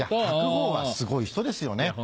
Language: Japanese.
白鵬はすごい人ですよね。